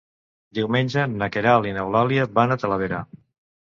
Diumenge na Queralt i n'Eulàlia van a Talavera.